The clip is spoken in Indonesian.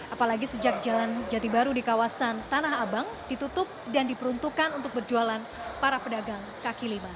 apalagi sejak jalan jati baru di kawasan tanah abang ditutup dan diperuntukkan untuk berjualan para pedagang kaki lima